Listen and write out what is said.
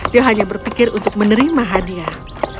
dia hanya berpikir untuk menerima hadiah